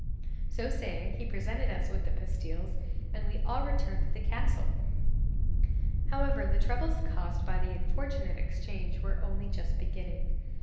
So saying he presented us with the pastilles, and we all returned to the castle. 'However, the troubles caused by the unfortunate exchange were only just beginning.